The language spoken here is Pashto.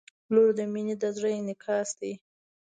• لور د مینې د زړه انعکاس دی.